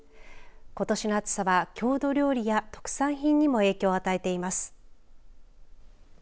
ことしの暑さは郷土料理や特産品にも影響を与えています。